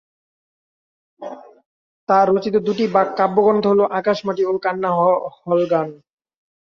তার রচিত দুটি কাব্যগ্রন্থ হল 'আকাশ মাটি' ও 'কান্না হল গান'।